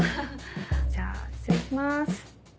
じゃあ失礼します。